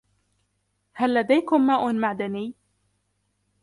هل لديكم ماء معدني؟